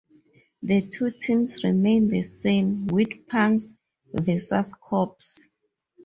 The two teams remain the same, with Punks versus Corps.